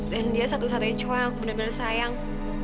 dan dia satu satunya cua yang aku bener bener sayang